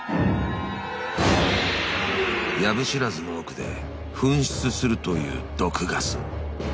［藪知らずの奥で噴出するという毒ガス］